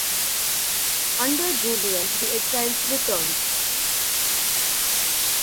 Under Julian the exiles returned.